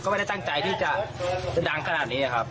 ไม่ได้ตั้งใจที่จะดังขนาดนี้ครับ